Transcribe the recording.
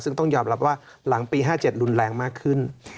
ซึ่งต้องยอมรับว่าหลังปี๕๗รุนแรงมากขึ้น